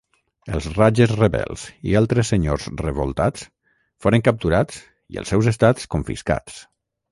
Els rages rebels i altres senyors revoltats foren capturats i els seus estats confiscats.